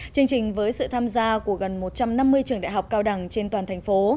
chương trình với sự tham gia của gần một trăm năm mươi trường đại học cao đẳng trên toàn thành phố